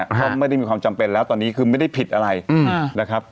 ก็ไม่ได้มีความจำเป็นแล้วตอนนี้คือไม่ได้ผิดอะไรนะครับ